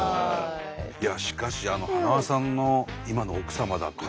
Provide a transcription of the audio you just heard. いやしかしはなわさんの今の奥様だという。